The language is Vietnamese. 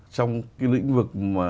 trong cái lĩnh vực mà